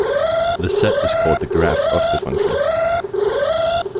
The set is called the "graph" of the function.